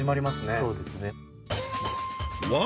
そうですね。